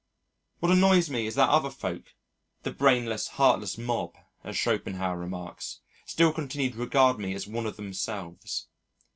What annoys me is that other folk the brainless, heartless mob, as Schopenhauer remarks, still continue to regard me as one of themselves....